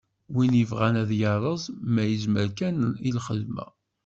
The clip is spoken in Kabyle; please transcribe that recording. Win yebɣan ad iyi-rreẓ, ma yezmer kan i lxedma.